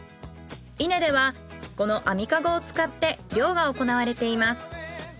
伊根ではこの網かごを使って漁が行われています。